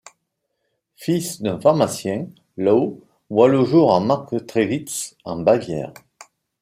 Fils d'un pharmacien, Loew voit le jour à Marktredwitz en Bavière.